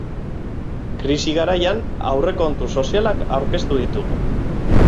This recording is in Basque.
Krisi garaian, aurrekontu sozialak aurkeztu ditugu.